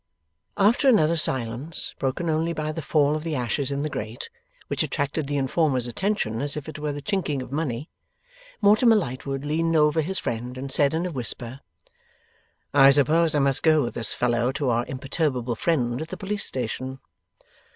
After another silence, broken only by the fall of the ashes in the grate, which attracted the informer's attention as if it were the chinking of money, Mortimer Lightwood leaned over his friend, and said in a whisper: 'I suppose I must go with this fellow to our imperturbable friend at the police station.